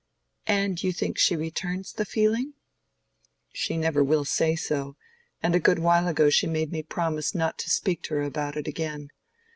"And you think she returns the feeling?" "She never will say so; and a good while ago she made me promise not to speak to her about it again.